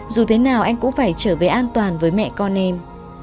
dù thế nào anh cũng phải trở về an toàn với mẹ con em